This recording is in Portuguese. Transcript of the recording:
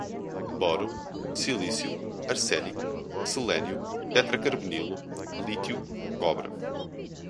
boro, silício, arsênico, selênio, tetracarbolino, lítio, cobre